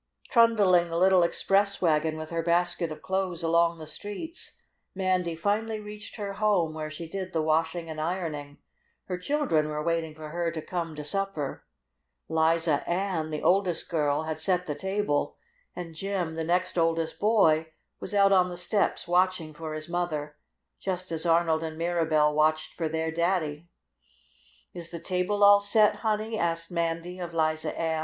Trundling the little express wagon with her basket of clothes along the streets, Mandy finally reached her home where she did the washing and ironing. Her children were waiting for her to come to supper. Liza Ann, the oldest girl, had set the table, and Jim, the next oldest boy, was out on the steps watching for his mother, just as Arnold and Mirabell watched for their daddy. "Is de table all set, honey?" asked Mandy of Liza Ann.